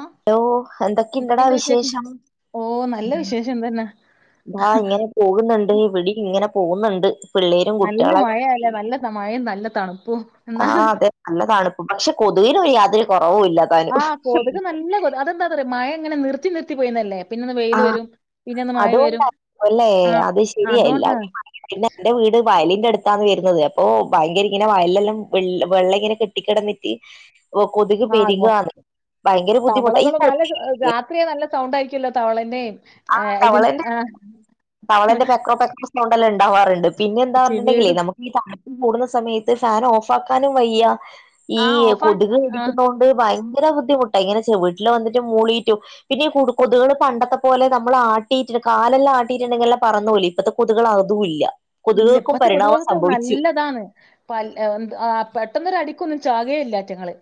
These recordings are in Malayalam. ആഹ് ലോ എന്തൊക്കെ ഇണ്ടടാ വിശേഷം. ഓ നല്ല വിശേഷം തന്നെ താ ഇങ്ങനെ പോകുന്ന്ണ്ട്. വിളി ഇങ്ങനെ പോകുന്ന്ണ്ട് പിള്ളേരും കുട്ട്യേളൊക്കെ മയം നല്ലതണുപ്പും. ആ അതെ നല്ലതണുപ്പും. പക്ഷെ കൊതുവിനും യാതൊരു കുറവുല്ലത് ആഹ് കൊതുത് നല്ല കൊതു. അതെന്താന്നറ്യാെ. മഴ ഇങ്ങനെ നിർത്തി നിർത്തി പൊയിന്നല്ലെ. ആഹ് അതുകൊണ്ടായി [unintelligible] അല്ലെ ആഹ് അത് ശെരിയാ [unintelligible] ല്ല. അതുകൊണ്ടാണ് പിന്നെ ഇന്റെ വീട് വയലിന്റെ അട്ത്താണ് വെരുന്നത്. അപ്പൊ ഭയങ്കര ഇങ്ങനെ വയലെല്ലാ വെള്ളം ഇങ്ങനെ കെട്ട് ട്ടിക്കെടന്നിറ്റ് ഇപ്പം കൊതുക് ആഹ് അത് മൊ പെരുകാണ്. ഭയങ്കര ബുദ്ധിമുട്ട് ഈ കൊ രാത്രി ആയാ നല്ല സൗണ്ടായിരിക്കല്ലൊ തവളന്നെ ആഹ് തവളേന്റെ തവളേന്റെ പേക്രോ പേക്രോ സൗണ്ടെല്ലാം ഇണ്ടാവാറ്ണ്ട് പിന്നെ എന്താ പറഞ്ഞിണ്ടെങ്കിലെ ചിവീടും നമു ഈ തണുപ്പ് കൂടുന്ന സമയത്ത് ഫാൻ ഓഫാക്കാനും വയ്യ ഈ ആഹ് ഓഫാക്കി കൊതുക് ആഹ് കടിക്കുന്നോണ്ട് ത് ഭയങ്കര ബുദ്ധിമുട്ട ഇങ്ങനെച്ചാ വീട്ടില് വന്നിട്ട് മൂളീട്ടും പിന്നെ ഈ കുടു കൊതുകള് പണ്ടത്തെ പോലെ നമ്മളാട്ടിയിട്ട് കാലെല്ലാം ആട്ടിയിട്ടുണ്ടെങ്കില് എല്ലാം പറന്ന് പോവൂലെ ഇപ്പത്തെ കൊതുകള് അതു ഇല്ല ഇല്ല കൊതുകുകൾക്കും ഇപ്പത്തെ പരിണാമം കൊതുവളൊക്കെ സംഭവിച്ചു നല്ലതാണ് പൽ പെട്ടെന്നൊരു അടിക്കൊന്നും ചാകേ ഇല്ല ആറ്റങ്ങള്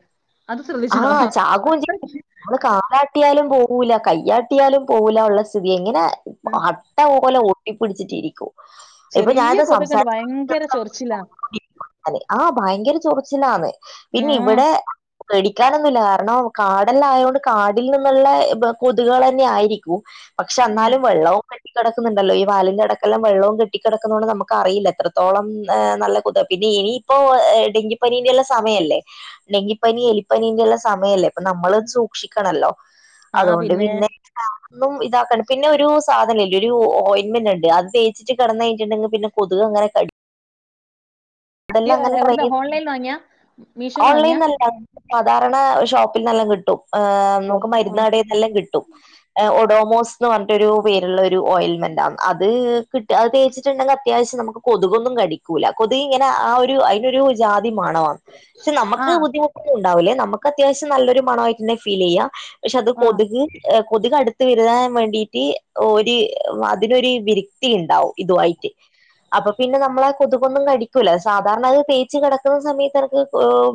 അത് ശ്രദ്ധിച്ചീനോ ആഹ് ചാകും ചെയ്യും അത്രക്ക്- നമ്മള് കാലാട്ടിയാലും പോവൂല്ല കയ്യാട്ടിയാലും പോവൂലാ ഒള്ളെ സ്ഥിതി എങ്ങനെ ആ- ട്ട പോലെ ഒട്ടിപ്പിടിച്ചിട്ടിരിക്കും ഇപ്പൊ ചെറിയ ഞാനിത് കൊതുക്ണ്ട് സംസാരിച്ച് ഭയങ്കര ചൊറിച്ചിലാ അതെ ആ ഭയങ്കര ചൊറിച്ചിലാന്ന് പിന്നെ ആഹ് ഇവിടെ പേടിക്കാനൊന്നുല്ല കാരണം കാടല്ലാം ആയോണ്ട് കാടിൽ നിന്നുള്ള കൊതുകൾ ന്നെ ആയിരിക്കും പക്ഷെ ഉം അന്നാലും വെള്ളവും കെട്ടിക്കെടക്കുന്നുണ്ടല്ലോ ഈ വാലഞ്ഞ് ഇടക്കെല്ലാം വെള്ളവും കെട്ടിക്കിടക്കുന്നതോണ്ട് നമുക്കറിയില്ല എത്രത്തോളം ഏഹ് നല്ല കൊതു ഇനി ഇനിയിപ്പോ ഡെങ്കിപ്പനീന്റെ എല്ല സമയല്ലേ ഡെങ്കി പ്പനി എലിപ്പനീന്റെ എല്ല സമയല്ലേ. അപ്പം നമ്മളൊന്ന് സൂക്ഷിക്കണല്ലോ. അതുകൊണ്ട് പിന്നെ ഒന്നും ഇതാക്കണ്ടാ. പിന്നെ ഒരു സാധനം ഇല്ലേ ഒരു ഓയിൻമെന്റ് ഇണ്ട്. അത് തേച്ചിട്ട് കിടന്ന് കഴിഞ്ഞ്ട്ട്ണ്ടെങ്കി പിന്നെ കൊതുക് അങ്ങനെ കടി ഇയ്യ് ഇവിടെല്ലാം അങ്ങനെ ട്രൈ എവിടുന്നാ ഓൺലൈൻന്ന് വാങ്ങിയാ മീഷോന്ന് വാങ്ങിയാ ഓൺലൈനല്ല സാധാരണ ഷോപ്പിൽന്നെല്ലാം കിട്ടും ആ നമുക്ക് മരുന്ന് കടേന്നെല്ലാം കിട്ടും. ഒഡോമോസ് എന്ന് പറഞ്ഞിട്ടൊരു പേരുള്ള ഒരുഓയിൽമെന്റ് ആണ്, അത് കിട്ട് അത് തേച്ചിട്ടുണ്ടെങ്കിൽ അത്യാവശ്യം നമുക്ക് കൊതുകൊന്നും കടിക്കൂല്ല കൊതുക് ഇങ്ങനെ ആ ഒരു അതിനൊരു ജാതി മാണം പക്ഷേ നമുക്ക് ആഹ് ബുദ്ധിമു ഉണ്ടാവില്ലേ നമുക്ക് അത്യാവശ്യം നല്ലൊരു മണ ആയിട്ട് തന്നെ ഫീലേയ്യ പക്ഷേ അത് ആഹ് ആഹ് കൊതുക് ഏഹ് കൊതുക് അടുത്ത് വിരതാൻ വേണ്ടിട്ട് ഓര് അതിനൊരു വിരക്തി ഇണ്ടാവും ഇതുവായിട്ട് അപ്പൊ പിന്നെ നമ്മളെ കൊതുകൊന്നും കടി ക്കൂല. സാധാരണ അത് തേച്ച് കെടക്ക്ന്ന സമയത്ത് എനക്ക്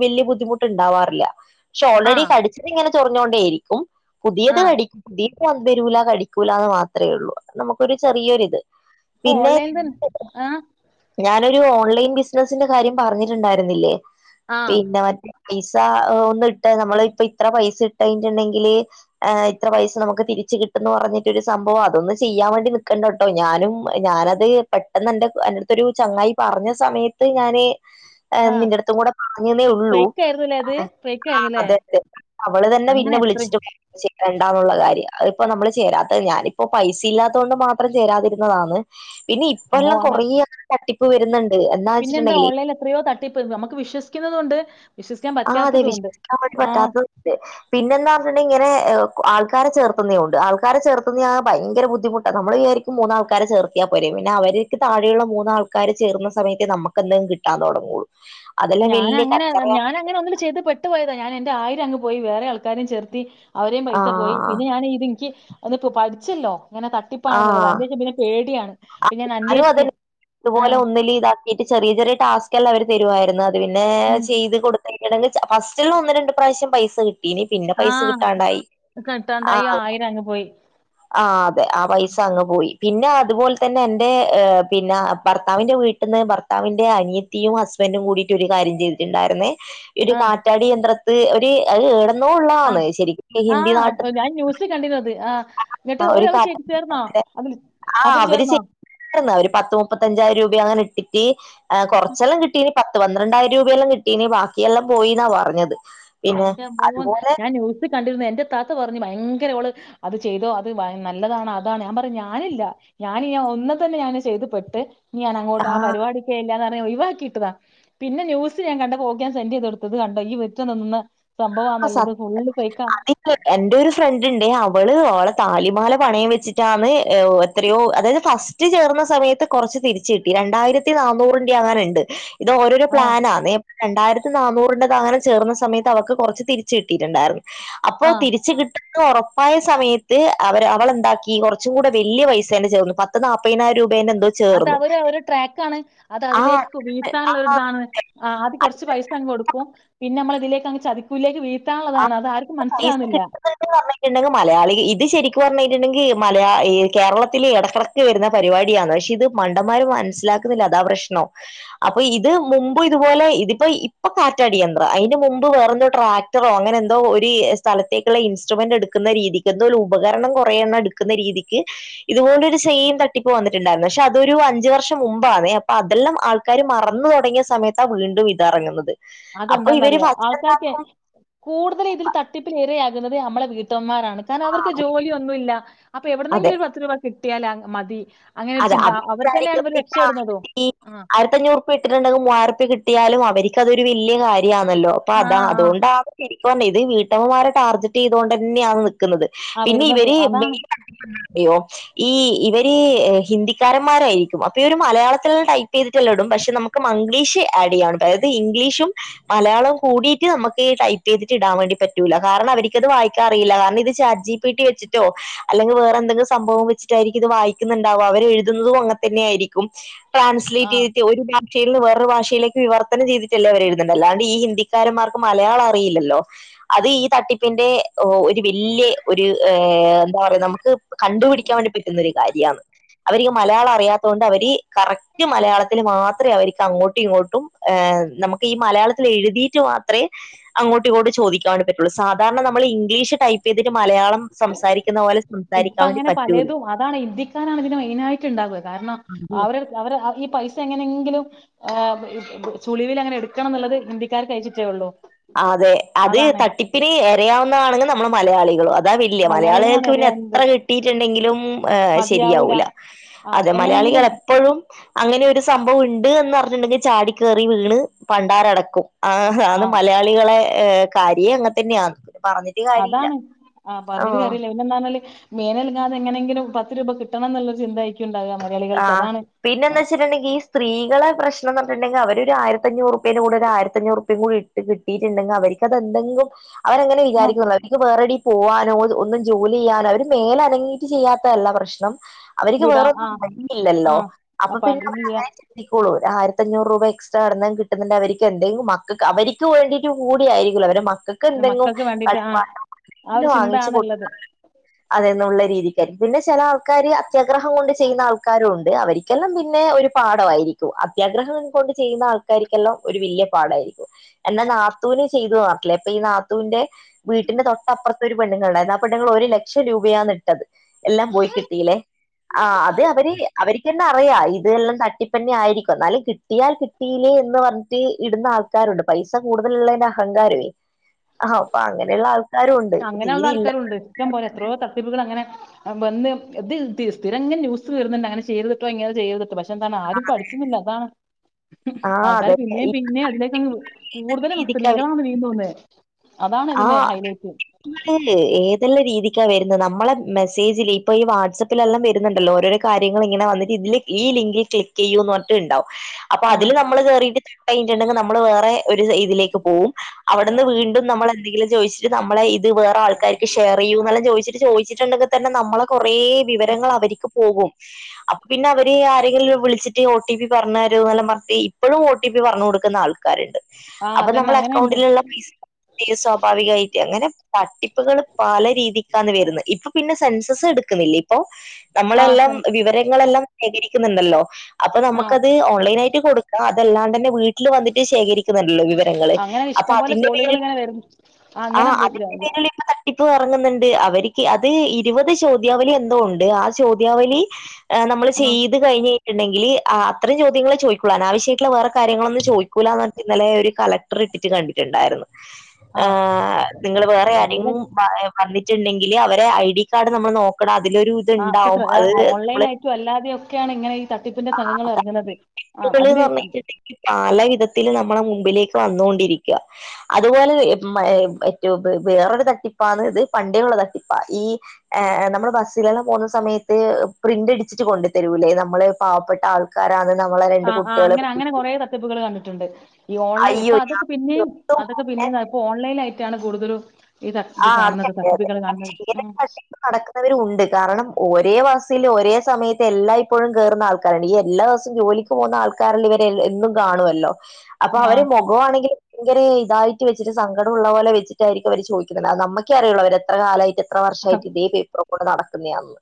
വല്യ ബുദ്ധിമുട്ടുണ്ടാവാറില്ല. പക്ഷെ ഓൾറെഡി ആഹ് കടിച്ചതിങ്ങനെ ചൊറിഞ്ഞോണ്ടേയിരിക്കും പുതിയത് ആഹ് കടി [unintelligible] വെരുല്ല കടിക്കൂല ന്ന് മാത്രേ ഒള്ളൂ അത് നമുക്കൊരു ചെറിയൊരിത്. ഇപ്പൊ പിന്നെ ഓൺലൈൻ തന്നെ ആഹ് [inaudible] ഞാനരു ഓൺലൈൻ ബിസിനസിന്റെ കാര്യം പറഞ്ഞിട്ടുണ്ടായിരുന്നില്ലേ ആഹ് പിന്നെ മറ്റേ പൈസ ഒന്ന് ഇട്ട നമ്മള് ഇപ്പ ഇത്ര പൈസ ഇട്ട് കഴിഞ്ഞട്ടുണ്ടെങ്കില് ആ ഇത്ര പൈസ നമുക്ക് തിരിച് കിട്ടുന്ന് പറഞ്ഞിട്ട് ഒരു സംഭവം അതൊന്ന് ചെയ്യാൻ വേണ്ടി നൽക്കണ്ട അഹ് ഞാനും ഞാനത് പെട്ടെന്നെന്റെ എന്റടുത്തൊരു ചങ്ങായി പറഞ്ഞ സമയ ത്ത് ഞാനെ ആഹ് നിന്റെ അടുത്തും കൂടെ പറഞ്ഞൂന്നേള്ളു ഫേക്കായിരുന്നുല്ലേ അത് ആഹ് ഫേക്കായിരുന്നുല്ലേ അതെ അതെ അവള് തന്നെ അങ്ങനെ പിന്നെ എത്ര വിളിച്ചിട്ട് ചെയ്യ് രണ്ടാനുള്ള കാര്യം അതിപ്പോ നമ്മള് ചേരാത്തത് ഞാനിപ്പോ പൈസ ഇല്ലാതൊണ്ട് മാത്രം ചേരാതിരുന്നതാണ് ഇനി അമ്മോ ഇപ്പെല്ലാം അങ്ങ കൊറേ തട്ടിപ്പ് വരുന്നുണ്ട് എന്നാ വെച്ചിട്ടുണ്ടെങ്കില് ത്തിപ്പെന്ത് നമക്ക് വിശ്വസിക്കുന്നുന്നതോണ്ട് ആ അതെ വിശ്വസിക്കാൻണ്ടി പറ്റാത്ത ഉണ്ടേ പിന്നെന്താ പറഞ്ഞിട്ടുണ്ട ഇങ്ങനെ ആൾക്കാരെ ചേർത്തുന്നതോണ്ട് ആൾക്കാരെ ചേർത്തുന്നയാ ഭയങ്കര ബുദ്ധിമുട്ട നമ്മളാ വിചാരിക്കും ഇക്ക് മൂന്നാൾക്കാരെ ചേർത്തിയാ പോരേ പിന്നെ അവരിക്ക് താഴെയുള്ള മൂന്നാൾക്കാര് ചേരുന്ന സമയത്തേ നമുക്കെന്തേലും കിട്ടാൻ തൊടങ്ങൂള്ളൂ. ഞാന അങ്ങനെ ഞാന അങ്ങനെ ഒന്ന ചെയ്ത് പ ഇട്ട് പോയതാ ഞാൻ എന്റെ ആയിരം അങ്ങ് പോയി വേറെ ആൾക്കാരും ചെർത്തി അവരെയും പൈസ പോയി ആഹ് പിന്നെ ഞാ ൻ ഇത് നിക്ക് ഒന്നിപ്പോ പഠിച്ചല്ലോ ഇങ്ങനെ ത ട്ടിപ്പാനു ള്ളത് ആഹ് അതിനെപ്പം പിന്നെ പേടിയാണ് പിന്നെ ഞാൻ അന്വേഷിക്കും ആ ട്ട് ചെറിയ ചെറിയ ടാസ്ക് എല്ലാം അവര് തരുവമായിരുന്നു അത് പിന്നെ ഉം. ചെയ്ത് കൊടു [unintelligible] ഫസ്റ്റിൽ ഒന്ന് രണ്ട് പ്രാവശ്യം പൈസ കിട്ടീനി പിന്നെ ആ. പൈസ കിട്ടാണ്ടായി. ആ കിട്ടാണ്ടായി ആയിരം അങ്ങ് പോയി. ആ. അതെ ആ പൈസ അങ്ങ് പോയി. പിന്നെ അതുപോലെ തന്നെ എന്റെ പിന്നെ ഭർത്താവിന്റെ വീട്ടിന്ന് ഭർ ഭത്താവിന്റെ അനിയത്തിയും ഹസ്ബൻഡും കൂടിയിട്ട് ഒരു കാര്യം ചെയ്തിട്ട് ഇണ്ടായിര്ന്നെ. ഇരു ആ. കാറ്റാടി യന്ത്രത്ത് ഒരു അഹ് ഏടന്നോ ഒള്ളാണെ. ശെരിക്കും ഹിന്ദി നാട്ട് ച്ചി കണ്ടിന്നു. അത് ആ ഇങ്ങട്ട് ഓര് കാ ചേ ചേർന്നോ അത് അതില് ചേർന്നോ. എറന്നാ ഒരു പത്ത് മുപ്പത്തഞ്ചായിരം രൂപ അങ്ങനെ ഇട്ടിട്ട് കൊറ്ച്ചെല്ലാം കിട്ടീ നി പത്ത് പന്ത്രണ്ടായിരം രൂപ എല്ലാം കിട്ടീനി. ഇനി ബാക്കി എല്ലാം പോയിന്നാ പറഞ്ഞത്. പിന്നെ എന്റെ അമ്മോ! അതുപോലെ ഞാൻ ന്യൂസ് കണ്ടിരുന്നു. എന്റെ ഇതാത്ത പറഞ്ഞു ഭയങ്കര ഓള്. അത് ചെയ്തോ അത് വാ നല്ലതാണ്. അതാണ് ഞാൻ പറഞ്ഞു ഞാനില്ല. ഞാൻ ഇനി ഒന്ന് തന്നെ ഞാൻ ചെയ്ത് പെട്ട് ഞാൻ അങ്ങോട്ട് ആ പരിപാടി വേണ്ടാന്ന് പറഞ്ഞ് ഞാൻ ഒയിവാക്കി വിട്ടതാ പിന്നെ ന്യൂസ് ഞാൻ കണ്ട് ഓക്ക് ഞാൻ സെന്റ് ചെയ്ത് കൊടുത്തു ഇത് കണ്ടോ ഈ വ് ഒറ്റ നിന്ന് സംഭവ സ നല്ലത് ഫുള്ള് ഫേക്കാ എന്റെ ഒരു ഫ്രണ്ട് ഇണ്ടേ അവള് ഓള താലിമാല പണയം വെച്ചിട്ടാണ് എ ഒ എത്രയോ അതായത് ഫസ്സ് ച്ചി ചേർന്ന സമയത്ത് കൊറച്ച് തിരിച്ച് കിട്ടി രണ്ടായിരത്തി നാന്നൂറിന്റെ അങ്ങാനണ്ട് ഇത് ഓരോരോ ആഹ് പ്ലാനാന്നേ രണ്ടായിരത്തി നാന്നൂറിന്റ് അങ്ങനെ ചേർന്ന സമയത്ത് അവർക്ക് കൊറച്ച് തിരിച്ച് കട്ടിയിട്ട് എണ്ടായിരുന്നു അപ്പോ ആഹ് തിരിച്ച് കി കിട്ടുന്ന് ഒറപ്പായ സമയത്ത് അവര് അവള് എന്താക്കി കൊറച്ച് കൂടെ വെല്യ പൈസ അന്നെ ചേർന്നു പ ത്ത് നാപ്പയിനായിരം രൂപ എൻ എന്തോ അത് ചേർന്നു. അവര് ഒരു ട്രാാക്ക ആണ് അത് ആ അതിലേക്ക് വീഴത്താനുള്ള ഒരി ഇതാണ് ആ് ആദ്യ കൊറച്ച് പൈസ അങ്ങ് കൊടുക്കും പിന്നെ അമ്മള ഇതിലേക്ക് അങ്ങ് ചതിക്കും കൂലേക്ക് വിഴ്ത്താൻ ഒള്ളത് ആണ് അത് ആർക്കും മനസ്സിലാവുന്നില്ല ഇങ്ങനെ പറഞ്ഞിട്ട് ഒണ്ടെങ്കിൽ മലയാളി ഇത് ശരിക്കും പറഞ്ഞിട്ട് ഇണ്ടെങ്കില് മലയാ ഈ കേരളത്തിലെ എടക്ക്‌ എടക്ക്‌ റ്റി വരുന്ന പരിപാടിയാണ് പക്ഷെ ഇത് മണ്ടന്മാര് മനസ്സിലാക്കുന്നില്ല അതാ പ്രശ്നം അപ്പോ ഇത് മുമ്പ് ഇതുപോലെ ഇതിപ്പോ ഇപ്പൊ കാറ്റാടി യന്ത്ര അയിന്റ് മുമ്പ് വേറെ എന്തോ ട്രാ ട്രറോ അങ്ങനെ എന്തോ ഒരി സ്ഥലത്തേക്കുള്ള ഇൻസ്ട്രുമെന്റ് എടുക്കുന്ന രീതിക്ക് എന്തോ ഒരു ഉപകരണം കൊറേ എണ്ണം ടിക്ക്‌ വെക്കുന്ന രീതിക്ക് ഇതുപോല ഒരു തട്ടിപ്പ് സെയിം വന്നിട്ട് ഇണ്ടായിരുന്നു പക്ഷെ അതൊരു അഞ്ച് വർഷം മുമ്പ് അന്നേ അപ്പ അതെല്ലാം ആൾ ക്കാര് മറന്ന് തോടങ്ങിയ സമയത്താ വീണ്ടും ഇത് ഇറങ്ങുന്നത് അത് എന്താന്ന് അറിയോ ആൾക്കാർക്കെ കൂടുതൽ ഇതിൽ തട്ടിപ്പില് എരയാകുന്നത് അമ്മള വീട്ടമ്മമാരാണ് കാരണം അവർക്ക് ജോലി ഒന്നും ഇല്ല അപ്പൊ എവിടുന്ന് അതെ എങ്കിലും ഒരു പത്ത് രൂപ കിട്ടിയാൽ ല മതി അങ്ങനെ ഒരു അത് ചിന്ത. അവർ തന്നെയാണ് ഇവര് രക്ഷപ്പെടുന്നതും. [unintelligible] ഈ ആ. [unintelligible] മൂവായിരത്തി അഞ്ഞുറ് റുപ്പിയ ഇട്ടിട്ട് ഒണ്ടെങ്കിൽ മൂവായിരത്തി കിട്ടിയാലും അവരിക്ക് അത് ഒരു വെല്യ കാര്യ അന്ന് അല്ലോ അപ്പ ആ, അതാ അത് ആ. കൊണ്ടാ ശരിക്കും ആന്നേ ഇത് വീട്ടമ്മമാരെ ടാർഗറ്റ് ചെയ്ത കൊണ്ട് തന്നെയാന്ന് നൽക്കുന്നത് ആ പിന്നെ വരുന്നത്. ഇവരെ അതാണ്. എന്തെങ്കി ഇയോ ഈ ഇവര് എ ഹിന്ദിക്കാരൻ മാരായിരിക്കും അപ്പൊ ഇവര് മലയാളത്തില് ടൈപ്പ് ചെയ്തിട്ട് എല്ലാം ഇടും പക്ഷെ നമുക്ക് മംഗ്ലീഷ് ആഡ് ചെയ്യാം അായത് ഇംഗ്ലീഷും മലയാളം കുടിട്ട് നമുക്ക് ടൈപ്പ് ചെയ്തിട്ട് ഇടാൻ വേണ്ടി പറ്റൂല്ല കാരണം അവരിക്ക് അത് വായിക്കാ അറിയില്ല കാരണം ഇത് ചാച്ചി പി ടി വെച്ചിട്ടോ അല്ലെങ്കിൽ വേറെ എന്തെങ്കിലും സംഭവം വച്ചിട്ടായിരിക്കും ഇത് വായിക്കുന്ന താവ്യാ അവര് എഴതുന്നതും അങ്ങനെ തന്നെ ആയിരിക്കും ആ. ട്രാൻസ്ലേറ്റ് ചെയ്ത് ഒരു ക ഭാഷയിൽ വേറെ ഒരു ഭാഷയിലേക്ക് വിവർത്തനം ചെയ്തിട്ട് അല്ലേ അവര് എഴുത്തുന്നത് അല്ലാണ്ട് ഈ ഹിന്ദിക്കാരൻ മാർക്ക് മലയാളം അറിയില്ലല്ലോ അത് ഈ തട്ടിപ്പിന്റെ ഒരു വെല്യ ഒരു ഏ എന്താ പറയാ നമുക്ക് കണ്ടുപിടിക്കാൻ വേണ്ടി പറ്റുന്ന ഒരു കാര്യാന്ന് അവരിക്ക് മലയാളം അറിയാത്ത കൊണ്ട് അവര് കറക്റ്റ് മലയാളത്തില് മാത്ര അവർക്ക് അങ്ങോട്ടും ഇങ്ങോട്ടും ഏഹ നമുക്ക് ഈ മലയാളത്തിൽ എഴുതിയിട്ട് മാത്രേ അങ്ങോട്ടും ഇങ്ങോട്ടും ചോദിക്കും അവരെ പറ്റി ഒള്ളത് സാധാരണ നമ്മൾ ഇംഗ്ലീഷ് ടൈപ്പ് ചെയ്തിട്ട് മലയാളം സംസാരിക്കുന്ന പോലെ ഇപ്പ സംസാരിക്കാ വേണ്ടി അങ്ങനെ പറ്റൂൽ പലതും അതാണ് ഹിന്ദിക്കാര് ആന്ന് ഇതില് മെയിന് ആയിട്ട് ഇണ്ടാകുന്നത് കാരണം അവര് അവര് ഈ പൈസ എങ്ങനെ എങ്കിലും ആഹ് ചുളിവിൽ എങ്ങനെ എടുക്കണം എന്നുള്ളത് ഹിന്ദിക്കാര് കഴിച്ചിട്ടേ ഒള്ളൂ ആഹ് അതെ അത് തട്ടിപ്പിന് എരയാവുന്നത് ആണെങ്കിൽ നമ്മള് മലയാളികളും അ അതാ വല്യ മലയാളികളാണ് മലയാളികൾക്ക് പിന്നെ എരയാകുന്നത്. എത്ര കിട്ടിയിട്ടുണ്ടെങ്കിലും മതിയാവൂല. ശരിയാവൂല ആ അതെ മലയാളികൾ എങ്ങനെങ്കിലും എപ്പോഴും അങ്ങനെ ഒരു സംഭവം ഉണ്ട് എന്ന് പറഞ്ഞിണ്ടെങ്കിൽ ചാടി കറി വീണ് പണ്ടാരടക്കും ആ ആ അതാണ് മലയാളികളെ കാര്യം അങ്ങനെ തന്നെയാ പറഞ്ഞി് അതാണ് ആ പറഞ്ഞിട്ട് കാര്യല്യ പിന്നെന്നാല് മേളനങ്ങാതേ എങ്ങനെങ്കിലും പത്ത് രൂപ കിട്ടണം എന്നുള്ളരു ചിന്തയായിക്കുംണ്ടാവ മലയാളികൾക്ക് അതാണ് ആ പിന്നന്നച്ചട്ടുണ്ടെങ്കി ഈ സ്ത്രകളെ പ്രശ്നംന്ന്ണ്ടങ്കിൽ അവ ഒരു ആയിരഞ്ഞൂറുപ്യെന്റെ കൂടെ ഒരു ആയിരത്തഞ്ഞൂറുപ്യ കൂടി ത് കിട്ടിയിട്ടുണ്ടെങ്കി അവർക്ക്തെന്തെങ്കും അവരങ്ങനെ ആ വിചാരിക്കുന്നു അവർക്ക് വേറെടി പോവാനോ ഒന്നും ജോലി ചെയ്യാനോ അവര് മേലനങ്ങിട്ട് ചെയ്യാത്തല്ല പ്രശ്നം അവർക്ക് വിടാ ആ വേറൊന്നും ആ പറ്റില്ലല്ലോ അപ്പൊ പിന്നെ അവങ്ങന ട്ടിക്കോള്ളൂ ഒരു ആയിരത്തഞ്ഞൂറ് രൂപ എക്സ്ട്രാ നടന്ന കിട്ട്ന്ന്ണ്ട് അവർക്ക് എന്തെങ്കും മക്കക്ക് അവര്ക്ക് വേണ്ടി റ്റ് കൂടെ ആയിരിക്കുല്ല അവര് മക്കക്ക് എന്തെങ്കും മക്കൾക്ക് വേണ്ടിട്ട് ആ കളിപ്പാട്ട ആ ഒരു ചിന്ത വാങ്ങിച്ചച്ച് കൊടുക്ക ആണുള്ളത് അതെന്നുള്ള രീതിക്കായിരിക്കും പിന്നെ ചില ആൾക്കാര് അത്യാഗ്രഹം കൊണ്ട് ക്കാരൂണ്ട് അവര്ക്കെല്ലാം പിന്നെ ഒരു പാഠവായിരിക്കും അത്യാഗ്രഹം കൊണ്ട് ചെയ്യുന്ന ആൾ കാരിക്കെല്ലാം ഒരു വല്യ പാടായിരിക്കും എന്നാ നാത്തുന് ചെയ്ത് മാറട്ടില്ലേ ഇപ്പൊ ഈ നാത്തുന്റെ വീട്ടിന്റെ തൊട്ടപ്പുറത്ത ഒരു പെണ്ണ്ങ്ങൾണ്ടായിരുന്നു ആ പെണ്ണുങ്ങൾ ഒരു ലക്ഷം രൂപയാണ് ഇട്ടതത് എല്ലാം പോയി കിട്ടീല്ലേ ആഹ് അത് അവര് അവർക്കന്നെ അറിയാം ഇതെല്ലാം തട്ടിപ്പന്നെ ആയിരിക്കും എന്നാലും കിട്ടിയാൽ കി ട്ടീലെ എന്ന് പറഞ്ഞിട്ട് ഇടുന്ന ആൾക്കാരുണ്ട് പൈസ കൂടുതലുള്ളതിന്റെ അഹങ്കാരവേ ആഹ് അപ്പ അങ്ങനെള്ള ആൾ അങ്ങനെയുള്ള ആൾക്കാരുണ്ട് ഇഷ്ടം പോലെ എത്രോ ത [unintelligible] അങ്ങനെ വന്ന് സ്ഥിരങ്ങൻ ന്യൂസ് വര്ന്നുണ്ട് അങ്ങനെ ചെയ്ത്തിട്ടോ ഇങ്ങനെ ചെയ്യര്ത്തിട്ടോ പഷ് റ്റെൻ തന്നെ ആരും പഠിക്കുന്നില്ല അതാണ് ആ ആൾക്കാാര് അതന്നെ പിന്നേ ഇപ്പൊ പിന്നെ അതിലേക്കങ് കൂടുതലും രീതിക്ക് സ്ത്രീകളാണ് വി തോന്ന അതാണ് ഇതിന് ഹൈലൈറ്റ് [unintelligible] ഏത് ള്ളരീതിക്കാ വരുന്നത് നമ്മളെ മെസ്സേജില് ഇപ്പൊ ഈ വാട്സപ്പിലെല്ലാം വരുന്നുണ്ടല്ലോ ഓരോ കാര്യങ്ങും ഇങ്ങനെ വന്നിട്ട് ഇതില് ഈ ലിങ്കിൽ ക്ലിക്ക് ചെയ്യൂന്ന് പറഞ്ഞട്ട്ണ്ടാവും അപ്പൊ ആ അതില് നമ്മള് കേറിട്ട് [unintelligible] ട്ടുണ്ടെങ്കില് നമ്മള് വേറെ ഒരു ഇതിലേക്ക് പോവും അവിടുന്ന് വീണ്ടും നമ്മള ന്തെങ്കിലു ചോദിച്ചി നമ്മളെ ഇത് വേറെ ആൾക്കാർക്ക് ഷെയറെയ്യോ എന്നല്ലാം ചോയച്ട്ട് ചോയ്ച്ചിട്ടുണ്ടെങ്ക് തന്നെ നമ്മളെ കൊറേ വിവരങ്ങൾ അവർക്ക് പോകും അപ്പൊ പിന്നെ അവര് ആരെങ്കിലു വിളിച്ചിട്ട് ഓ ടി പി പറഞ്ഞരോല്ല മർഞ്ഞിട്ട് ഇപ്പോഴും ഓ ടി പ്പി പറഞ്ഞു കൊടുക്കുന്ന ആൾക്കാരുണ്ട് ആ അപ്പ അതന്നെ നമ്മളെ അങ്ങനെയുണ്ട് അക്കൗണ്ടില്ള്ള പൈസ സ്വാഭാവികായിട്ട് അങ്ങനെ തട്ടിപ്പുകൾ പല രീതിക്കാണ് വരുന്നത് ഇപ്പൊ പിന്നെ സെൻസസ് എടുക്കുന്നില്ല അപ്പോ ആ നമ്മളെല്ലാം വിവരങ്ങളെല്ലാം ശേഖരിക്കുന്നുണ്ടല്ലോ അപ്പൊ ആ നമുക്കത് ഓൺലൈനായി ട്ടി കൊടുക്ക അതെല്ലാണ്ടെന്നെ വീട്ട്ല് വന്നിട്ട് ശേഖരിക്കുന്നല്ലോ വിവരങ്ങള് അങ്ങനെ അപ്പൊ ഇഷ്ടം പോലെ അതിന്റെ പേരിൽ [unintelligible] ആ അങ്ങനെ ആഹ് ബ- ഗ- അതിന്റെ ഗ- പേരില് [unintelligible] തട്ടിപ്പ് ഇറങ്ങുന്നുണ്ട് അവര്ക്ക് അത് ഇരുപത് ചോദ്യാവലി എന്തോ ഉണ്ട് ആ ചോദ്യാവലി ഏഹ് നമ്മൾ ആ ചെയ്ത് കഴിഞ്ഞയ്ട്ടുണ്ടെങ്കില് അത്രേം ചോദ്യങ്ങൾ ചോദിക്കോളു ആവശ്യയിട്ടുള്ള വേറെ കാര്യങ്ങളൊന്നും ചോയ്ക്കൂലാന്ന് ഇന്നലെ ഒരു കളക്ടർ ഇട്ടിട്ട് കണ്ടിട്ടുണ്ടായിരുന്നു ആ ആഹ് അപ്പൊ ഇപ്പൊ നിങ്ങള് വേറെ ആരിം എല്ലാ മാ വന്നിട്ടുണ്ടെങ്കില് അവരെ ഐ ഡി കാർഡ് നമ്മൾ നോക്കണം അതിലൊരു ആക്കെത്ര ഇത്ണ്ടാവും അത് ഓൺലൈൻ നമ്മള് ആയിട്ടും അല്ലാതെ ഒക്കെയാണ് ഇങ്ങനെ ഈ തട്ടിപ്പിന്റെ സംഘങ്ങൾ ഇറങ്ങുന്നത് ആഹ് അതില് പാല വിധത്തില് നമ്മളെ മുമ്പിലേക്ക് വന്നൊണ്ടിരിക്ക അതുപോലെ [unintelligible] വേറൊരു തട്ടിപ്പാന്നത് പണ്ടേള്ള തട്ടിപ്പാ ഈ ഏഹ് നമ്മൾ ബസ്സിലല്ലാം പോഉന്ന സമയത്ത് പ്രിന്റ്ടിച്ചിട്ട് കൊണ്ടു തരൂല്ലേ നമ്മള് പാവപ്പെട്ട ആൾ കാരാണ് നമ്മള ആഹ് ആഅ അങ്ങനെ അങ്ങനെ കുറെ തട്ടിപ്പുകൾ കണ്ടിട്ടുണ്ട് ഈ ഓൺലൈൻ ഇപ്പൊ അയ്യോ അതൊക്കെ പിന്നെയും ഇതും അതൊക്കെ പിന്നെ ഇപ്പോ ഓൺലൈനായിട്ടാണ് കൂടുതലും ഈത് ഇത് ആ കാണുന്നത് അതെ തട്ടിപ്പ്കൾ കാണുന്നത് ഉം എന്നതിലുണ്ട് കാരണം ഒരേ വസൽ ഒരേ സമയത്ത് എല്ലാം ഇപ്പോഴും കേറുന്ന ആൾക്കാരുണ്ട് ഈ എല്ലാ ദിവസവും ജോലി പോന്നെ ആൾക്കാരിൽ എന്നും ഇവരെ എന്നും കാണുമല്ലോ അപ്പൊ ആ അവര് മുഖമാണെങ്കിൽ ഭയങ്കര ഇതായിട്ട് വെച്ചിട്ട് സങ്കടമള്ളത് പോലെ വെച്ചിട്ടായിരിക്കും അവര് ചോദിക്ക അത് നമ്മക്കെ അറിയുള്ളൂ അവര് എത്ര കാലമായിട്ട് എത്ര വർഷമായിട്ട് അത് ഇതേ പേപ്പറും കൊണ്ട് നടക്കുന്നതന്ന്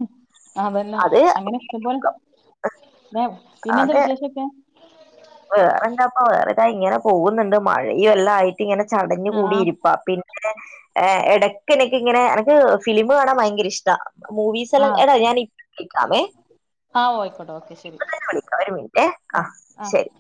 അതന്നെ അത് [unintelligible] പിന്നെന്താ അത് വിശേഷൊക്കെ വേറെന്താപ്പ വേറെതാ ഇങ്ങനെ പോകുന്നുണ്ട് മഴയും എല്ലാം ആയിട്ട് ഇങ്ങനെ ചടഞ്ഞഞ് ആ കൂടി ഇരിപ്പാ പിന്നെ ഏഹ് ഇടക്ക് എടക്ക്ങ്ങനെ എനക്ക് ഫിലിമ് കാണാൻ ഭയങ്കര ഇഷ്ടാ മൂവീസ് ആ എല്ലാം എടാ ഞാൻ [unintelligible] ക്കാമേ ആഹ് ആയിക്കോട്ടോ ഓക്കെ ശരി വിളിക്കാ ഒരു മിനിറ്റേ ആ ആഹ് ആ ശരി